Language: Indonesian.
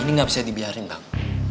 ini enggak bisa dibiarkan bang